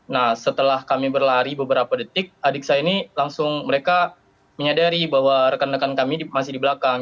nah setelah kami berlari beberapa detik adik saya ini langsung mereka menyadari bahwa rekan rekan kami masih di belakang